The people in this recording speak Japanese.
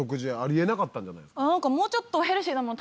もうちょっとヘルシーなもの